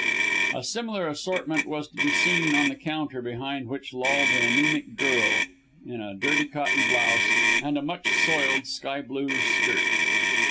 A similar assortment was to be seen on the counter behind which lolled an anæmic girl, in a dirty cotton blouse, and a much soiled sky blue skirt.